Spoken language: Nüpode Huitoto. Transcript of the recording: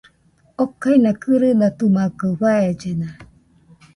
Okaina kɨrɨnotɨmakɨ, faellena